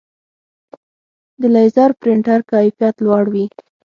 د لیزر پرنټر کیفیت لوړ وي.